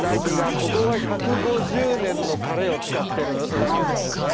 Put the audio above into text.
ここが１５０年のタレを使ってるうなぎ屋さんですね。